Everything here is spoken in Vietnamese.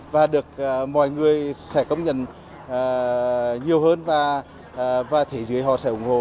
và được mọi người sẽ công nhận nhiều hơn và thế giới họ sẽ ủng hộ